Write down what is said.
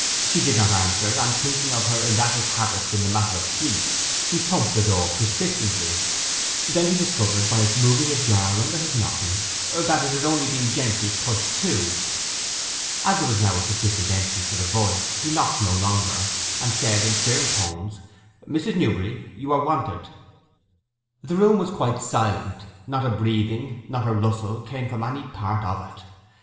She did not answer, and, thinking of her erratic habits in the matter of sleep, he thumped the door persistently, when he discovered, by its moving ajar under his knocking, that it had only been gently pushed to. As there was now a sufficient entry for the voice, he knocked no longer, but said in firm tones, 'Mrs. Newberry, you are wanted.' The room was quite silent; not a breathing, not a rustle, came from any part of it.